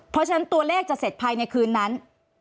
เพราะฉะนั้นตัวเลขจะเสร็จภายในคืนนั้น